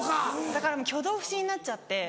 だからもう挙動不審になっちゃって。